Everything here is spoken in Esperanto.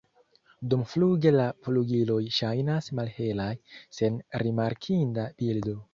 Dumfluge la flugiloj ŝajnas malhelaj, sen rimarkinda bildo.